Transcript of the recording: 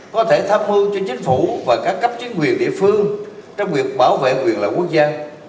có thể tham mưu cho chính phủ và các cấp chính quyền địa phương trong việc bảo vệ quyền lợi quốc gia